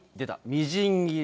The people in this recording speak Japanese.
「みじん切り」。